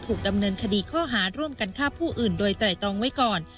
ถูกดำเนินคดีข้อหาร่วมกันฆ่าผู้อื่นโดยไตรตรองไว้ก่อน